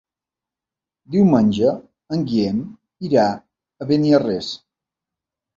Diumenge en Guillem irà a Beniarrés.